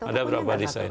ada beberapa desain